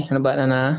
selamat sore nenek